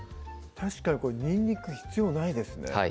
確かにこれにんにく必要ないですね